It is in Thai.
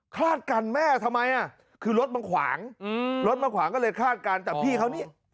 คาดกันแม่ทำไมคือรถมันขวางรถมาขวางก็เลยคาดการณ์แต่พี่เขานี่